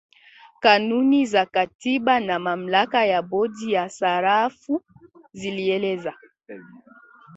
Kanuni za kikatiba na mamlaka ya bodi ya sarafu zilieleza